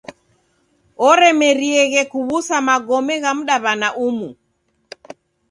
Oremerieghe kuw'usa magome gha mdaw'ana umu!